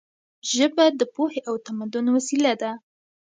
ژبه د پوهې او تمدن وسیله ده.